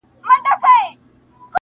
o څارنوال ته پلار ویله دروغجنه,